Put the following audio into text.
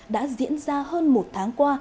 đã diễn ra hơn một tháng qua